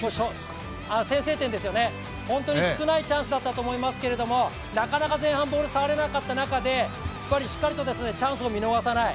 先制点ですよね、本当に少ないチャンスだったと思いますけどなかなか前半ボール触れなかった中でしっかりとチャンスを見逃さない。